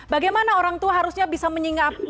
bagaimana orang tua harusnya bisa menyingat